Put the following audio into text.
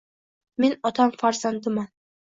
Men otam farzandiman